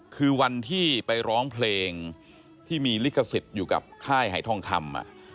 คือวันที่ไปร้องเพลงที่มีลิขสิทธิ์อยู่กับค่ายหายทองคำ